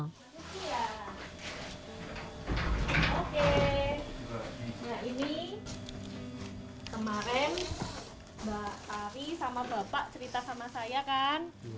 nah ini kemarin mbak ari sama bapak cerita sama saya kan